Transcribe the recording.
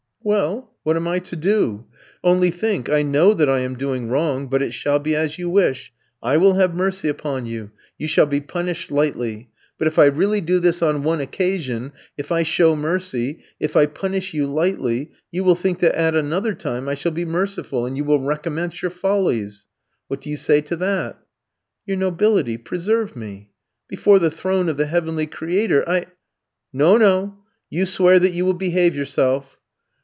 "Well, what am I to do? Only think, I know that I am doing wrong, but it shall be as you wish; I will have mercy upon you, you shall be punished lightly. But if I really do this on one occasion, if I show mercy, if I punish you lightly, you will think that at another time I shall be merciful, and you will recommence your follies. What do you say to that?" "Your nobility, preserve me! Before the throne of the heavenly Creator, I " "No, no; you swear that you will behave yourself."